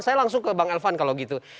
saya langsung ke bang elvan kalau gitu